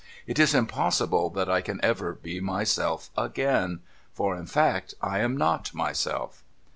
It is impossible that I can ever be myself again. I'or, in fact, I am not myself.'